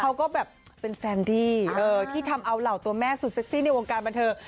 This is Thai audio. เขาก็แบบเป็นแฟนดี้ที่ทำเอาเหล่าตัวแม่สุดเซ็กซี่ในวงการบันเทิง